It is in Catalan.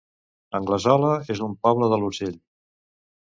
Anglesola es un poble de l'Urgell